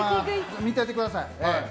見ててください。